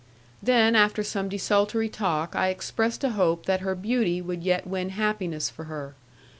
Then, after some desultory talk, I expressed a hope that her beauty would yet win happiness for her.